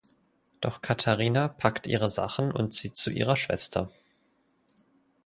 Doch Katharina packt ihre Sachen und zieht zu ihrer Schwester.